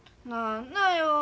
何なよ。